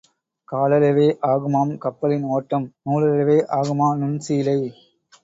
காலளவே ஆகுமாம் கப்பலின் ஓட்டம், நூலளவே ஆகுமாநுண்சீலை.